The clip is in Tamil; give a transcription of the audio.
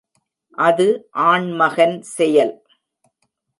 அது ஆண்மகன் செயல்!